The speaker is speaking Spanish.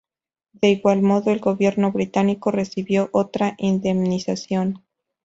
De igual modo, el gobierno británico recibió otra indemnización.